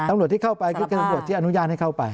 ตำรวจที่เข้าไปก็คือตำรวจที่อนุญาตให้เข้าไป